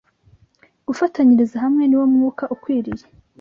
Gufatanyiriza hamwe ni wo mwuka ukwiriye